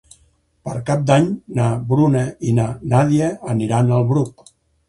Per Cap d'Any na Bruna i na Nàdia aniran al Bruc.